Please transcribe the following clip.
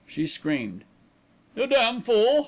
She screamed. "You damn fool!"